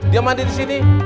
dia mandi di sini